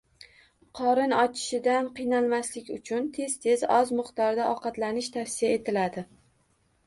Qorin ochishidan qiynalmaslik uchun tez-tez, oz miqdorda ovqatlanish tavsiya etiladi.